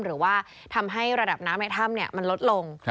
หรือว่าทำให้ระดับน้ำในถ้ำมันลดลง